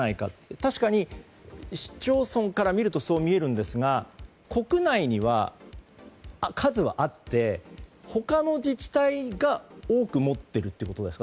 確かに市町村から見るとそう見えますが、国内には数はあって、他の自治体が多く持っているということですか。